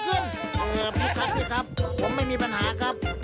เออพี่ครับผมไม่มีปัญหาครับ